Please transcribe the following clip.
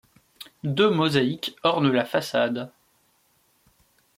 Deux mosaïques ornent la façade.